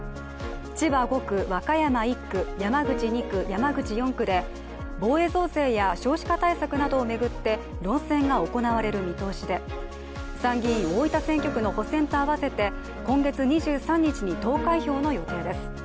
千葉５区、和歌山１区、山口２区、山口４区で防衛増税や少子化対策などを巡って論戦が行われる見通しで参議院大分選挙区の補選と合わせて今月２３日に投開票の予定です。